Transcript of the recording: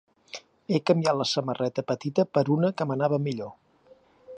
He canviat la samarreta petita per una que m'anava millor.